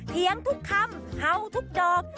เทียงทุกคำเฮาทุกดอก